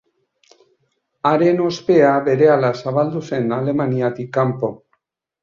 Haren ospea berehala zabaldu zen Alemaniatik kanpo.